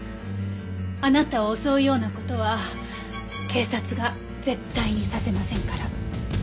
あなたを襲うような事は警察が絶対にさせませんから。